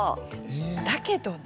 だけどね